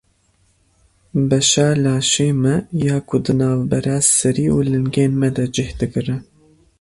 Beşa laşê me ya ku di navbera serî û lingên me de cih digire.